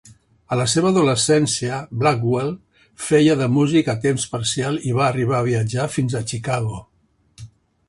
A la seva adolescència, Blackwell feia de músic a temps parcial i va arribar a viatjar fins a Chicago.